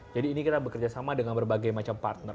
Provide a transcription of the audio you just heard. jadi ini kita bekerjasama dengan berbagai macam partner